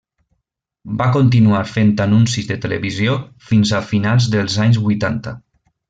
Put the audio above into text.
Va continuar fent anuncis de televisió fins a finals dels anys vuitanta.